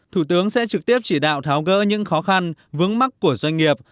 thủ tướng sẽ trực tiếp chỉ đạo tháo gỡ những khó khăn vướng mắt của doanh nghiệp